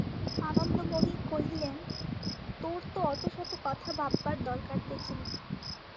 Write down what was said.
আনন্দময়ী কহিলেন, তোর তো অতশত কথা ভাববার দরকার দেখি নে।